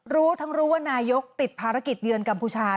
รู้ทั้งรู้ว่านายกติดภารกิจเยือนกัมพูชา